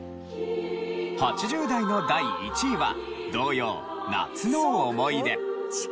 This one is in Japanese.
８０代の第１位は童謡『夏の思い出』。